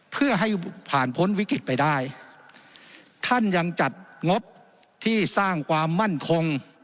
เพื่อให้ผ่านพ้นวิกฤตไปได้ท่านยังจัดงบที่สร้างความมั่นคง